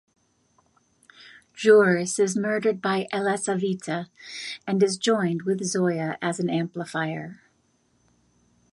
Juris is murdered by Elisaveta and is joined with Zoya as an amplifier.